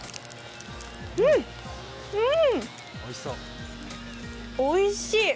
うん、おいしい。